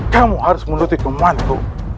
kamu harus menuruti kemahanku